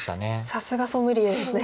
さすがソムリエですね。